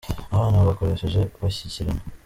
abana bagakoresheje bashyikirana